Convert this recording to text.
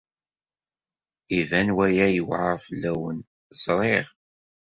Iban waya yewɛeṛ fell-awen, ẓriɣ.